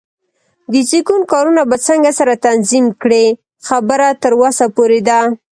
د زېږون کارونه به څنګه سره تنظیم کړې؟ خبره تر وسه پورې ده.